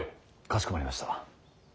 かしこまりました。